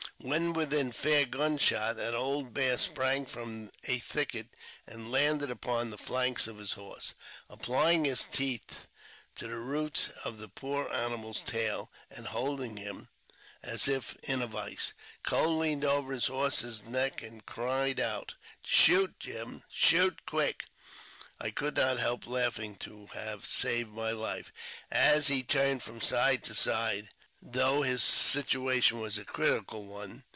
When within fair gun shot, an old bear sprang from a thicket, and landed upon the flanks of his horse, applying his teeth to the roots of the poor animal's tail, and holding him as if in a vice. Coe leaned over his horse's neck, and cried out, " Shoot, Jim ! shoot quick !" I could not help laughing to have saved my Ufe, as he turned from side to side, though his situation was a critical one.